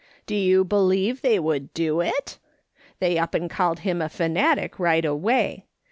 Do you believe they would do it ! They up and called him a fanatic right away.